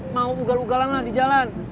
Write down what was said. mau ugal ugalan lah di jalan